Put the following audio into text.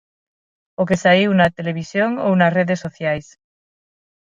O que saíu na televisión, ou nas redes sociais.